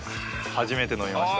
初めて飲みました。